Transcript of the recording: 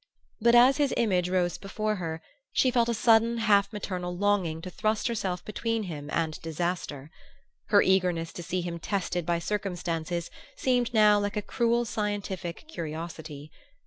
But as his image rose before her she felt a sudden half maternal longing to thrust herself between him and disaster. Her eagerness to see him tested by circumstances seemed now like a cruel scientific curiosity.